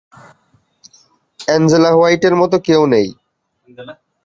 Angela হোয়াইটের মতো কেউ নেই।